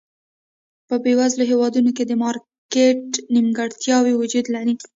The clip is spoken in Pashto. په بېوزلو هېوادونو کې د مارکېټ نیمګړتیاوې وجود لري.